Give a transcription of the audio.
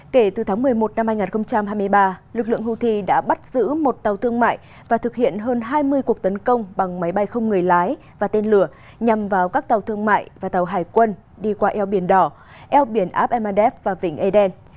kể từ tháng một mươi một năm hai nghìn hai mươi ba lực lượng houthi đã bắt giữ một tàu thương mại và thực hiện hơn hai mươi cuộc tấn công bằng máy bay không người lái và tên lửa nhằm vào các tàu thương mại và tàu hải quân đi qua eo biển đỏ eo biển ab mendev và vịnh aden